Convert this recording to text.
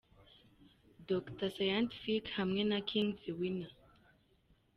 Dr Scientific hamwe na King The Winner.